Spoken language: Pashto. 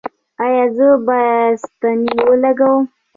ایا زه باید ستنې ولګوم؟